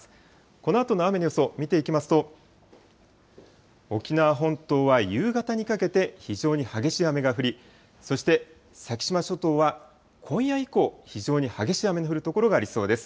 このあとの雨の予想、見ていきますと、沖縄本島は夕方にかけて非常に激しい雨が降り、そして先島諸島は今夜以降、非常に激しい雨の降る所がありそうです。